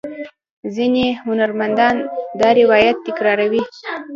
ځینې هنرمندان دا روایت تکراروي.